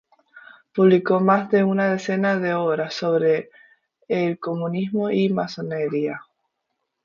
Publicó más de una docena de obras sobre el comunismo y masonería.